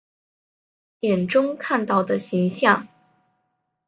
眼中看到的形象